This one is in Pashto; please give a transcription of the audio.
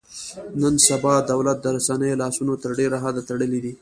نن سبا دولت د رسنیو لاسونه تر ډېره حده تړلي دي.